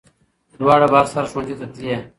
دواړه به هر سهار ښوونځي ته تلې